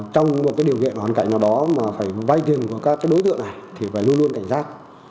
trong một điều kiện hoàn cảnh nào đó mà phải vay tiền của các đối tượng này thì phải luôn luôn cảnh giác